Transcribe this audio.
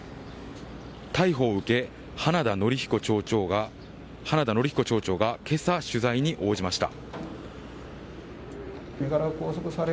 逮捕を受け、花田憲彦町長が今朝、取材に応じました。